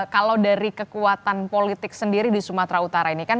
kalau dari kekuatan politik sendiri di sumatera utara ini kan